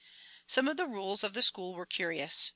Some of the rules of the school were curious.